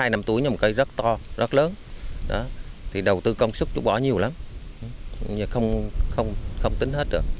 hai năm tuổi nhưng cây rất to rất lớn thì đầu tư công sức chú bỏ nhiều lắm không tính hết được